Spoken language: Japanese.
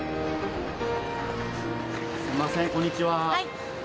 「すいませんこんにちは」